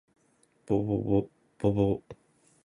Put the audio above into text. ぼぼぼぼぼお